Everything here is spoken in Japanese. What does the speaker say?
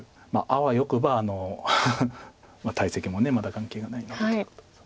あわよくば大石もまだ眼形がないのでということです。